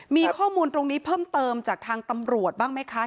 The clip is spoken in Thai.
มีข้อมูลตรงนี้เพิ่มเติมจากทางตำรวจบ้างไหมคะ